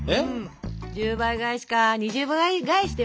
１０倍返しか２０倍返しでもいいな。